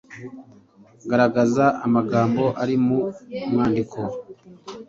Garagaza amagambo ari mu mwandiko